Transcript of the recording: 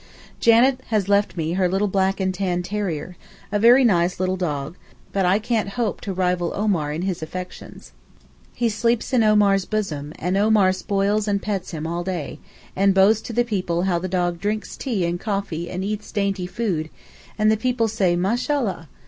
Janet has left me her little black and tan terrier, a very nice little dog, but I can't hope to rival Omar in his affections. He sleeps in Omar's bosom, and Omar spoils and pets him all day, and boasts to the people how the dog drinks tea and coffee and eats dainty food, and the people say Mashallah!